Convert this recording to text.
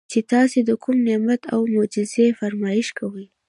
چې تاسي د کوم نعمت او معجزې فرمائش کوئ